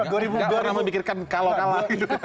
nggak orang orang mikirkan kalah kalah